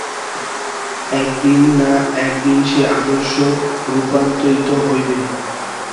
একদিন না একদিন সে আদর্শ রূপায়িত হইবে।